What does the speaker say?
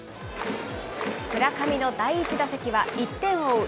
村上の第１打席は１点を追う